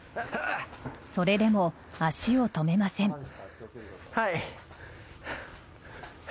それでも足を止めません。